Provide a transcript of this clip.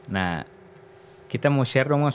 nah kita mau share dong mas